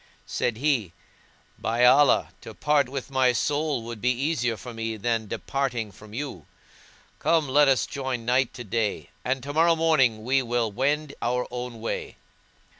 Said he, "By Allah, to part with my soul would be easier for me than departing from you: come let us join night to day, and tomorrow morning we will each wend our own way."